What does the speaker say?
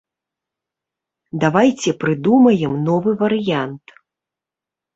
Давайце прыдумаем новы варыянт.